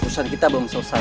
susah kita belum selesai